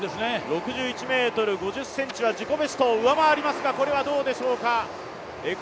６１ｍ５０ｃｍは自己ベストを上回りますがこれはどうでしょう。